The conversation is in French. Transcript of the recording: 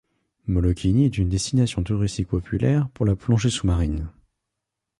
Molokini est une destination touristique populaire pour la plongée sous-marine.